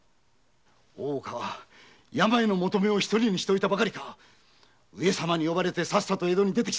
大岡は病の求馬を一人にしておいたばかりか上様に呼ばれてさっさと江戸に出てきた。